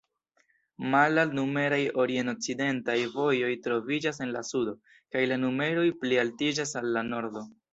Malalt-numeraj orient-okcidentaj vojoj troviĝas en la sudo, kaj la numeroj plialtiĝas al la nordo.